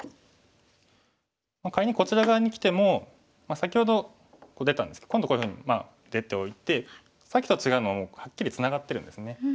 仮にこちら側にきても先ほど出たんですけど今度こういうふうに出ておいてさっきと違うのははっきりツナがってるんですね。